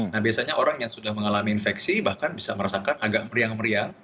nah biasanya orang yang sudah mengalami infeksi bahkan bisa merasakan agak meriang meriang